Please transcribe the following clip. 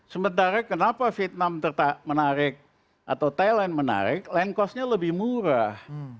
sementara kenapa vietnam menarik atau thailand menarik land cost nya lebih murah